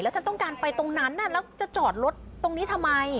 ฉันต้องการไปตรงนั้นแล้วจะจอดรถตรงนี้ทำไม